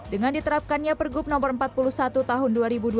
dengan diterapkannya pergub no empat puluh satu tahun dua ribu dua puluh